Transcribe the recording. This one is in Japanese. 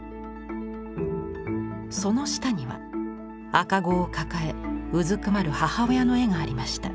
その下には赤子を抱えうずくまる母親の絵がありました。